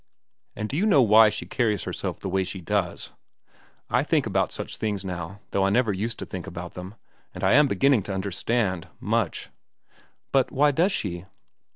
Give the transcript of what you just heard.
And do you know why she carries herself the way she does? I think about such things now, though I never used to think about them, and I am beginning to understand—much." "But why does she?"